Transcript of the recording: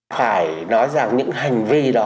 phải nói rằng những hành vi đó